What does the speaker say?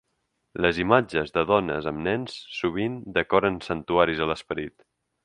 Les imatges de dones amb nens sovint decoren santuaris a l'esperit.